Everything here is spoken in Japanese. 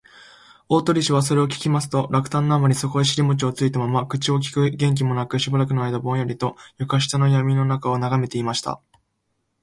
大鳥氏はそれを聞きますと、落胆のあまり、そこへしりもちをついたまま、口をきく元気もなく、しばらくのあいだぼんやりと、床下のやみのなかをながめていました